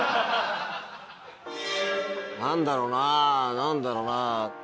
何だろうなぁ何だろうなぁ。